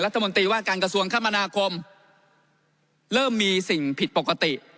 รัฐมนตรีว่าการกระทรวงคมนาคมเริ่มมีสิ่งผิดปกติ